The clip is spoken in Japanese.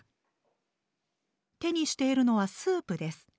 手にしているのはスープです。